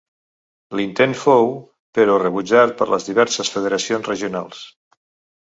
L'intent fou, però rebutjat per les diverses federacions regionals.